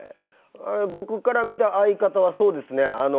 僕から見た相方はそうですね。